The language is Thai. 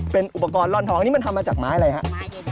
เป็นอุปกรณ์ร่อนทองอันนี้มันทำมาจากไม้อะไรฮะ